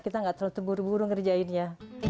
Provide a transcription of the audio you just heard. kita nggak terlalu terburu buru ngerjainnya